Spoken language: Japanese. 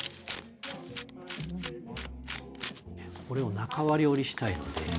これを中割り折りしたいので。